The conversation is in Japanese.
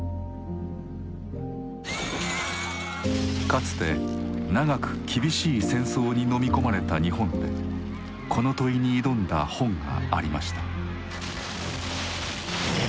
かつて長く厳しい戦争にのみ込まれた日本でこの問いに挑んだ本がありました。